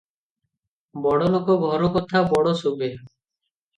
ବଡ଼ଲୋକ ଘରକଥା ବଡ଼ ଶୁଭେ ।